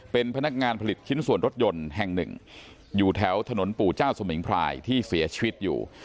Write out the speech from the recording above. เป็นพนักงานผลิตชิ้นส่วนรถยนต์แห่งหนึ่งอยู่แถวถนนปู่เจ้าสมิงพรายที่เสียชีวิตอยู่